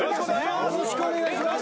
よろしくお願いします。